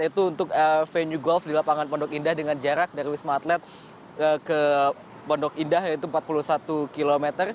yaitu untuk venue golf di lapangan pondok indah dengan jarak dari wisma atlet ke pondok indah yaitu empat puluh satu km